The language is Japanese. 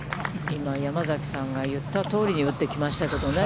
今、山崎さんが言ったとおりに打ってきましたけどね。